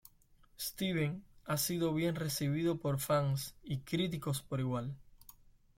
Steven ha sido bien recibido por fans y críticos por igual.